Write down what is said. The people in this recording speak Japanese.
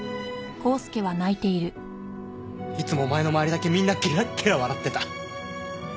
いつもお前の周りだけみんなゲラッゲラ笑ってた。